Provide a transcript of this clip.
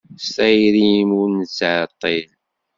S tayri-m ur nettɛeṭṭil.